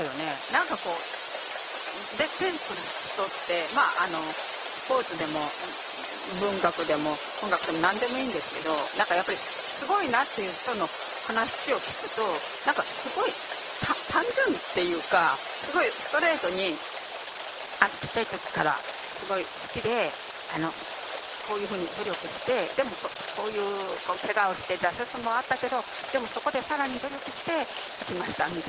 何かこう出てくる人ってまああのスポーツでも文学でも音楽でも何でもいいんですけど何かやっぱりすごいなっていう人の話を聞くとすごい単純っていうかすごいストレートにちっちゃい時からすごい好きでこういうふうに努力してでもこういうケガをして挫折もあったけどでもそこで更に努力して行きましたみたいな